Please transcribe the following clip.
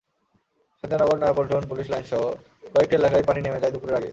Shantinagar, Nayapaltan police লাইনসসহ কয়েকটি এলাকায় পানি নেমে যায় দুপুরের আগেই।